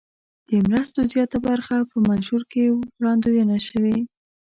د مرستو زیاته برخه په منشور کې وړاندوینه شوې.